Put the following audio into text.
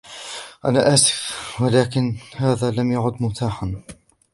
أنا آسف، ولكن هذا لم يعد متاحاً.